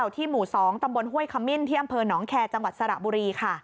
ที่หมู่๒ตำบลห้วยขมิ้นที่อำเภอหนองแคร์จังหวัดสระบุรีค่ะ